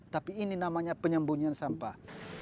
tapi ini namanya penyembunyian sampah